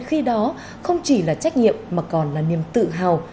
khi đó không chỉ là trách nhiệm mà còn là niềm tự hào